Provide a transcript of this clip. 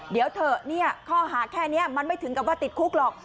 เดี๋ยวเถอะข้อหาแค่นี้มันไม่ถึงกับว่าติดคุกหรอก